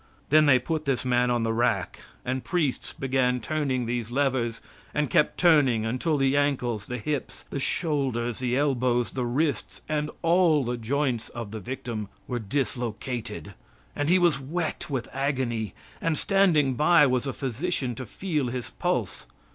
Then they put this man on the rack and priests began turning these levers, and kept turning until the ankles, the hips, the shoulders, the elbows, the wrists, and all the joints of the victim were dislocated, and he was wet with agony, and standing by was a physician to feel his pulse.